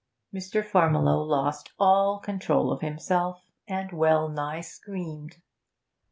Mr. Farmiloe lost all control of himself, and well nigh screamed.